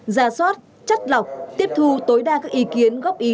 già sót chất lọc tiếp thu tối đa các ý kiến gốc y